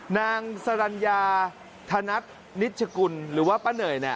นางสรรญาธนัทนิชกุลหรือว่าป้าเหนื่อย